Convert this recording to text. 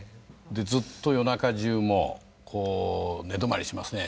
でずっと夜中じゅうもこう寝泊まりしますね